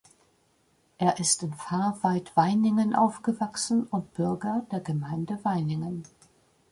Er ist in Fahrweid-Weiningen aufgewachsen und Bürger der Gemeinde Weiningen.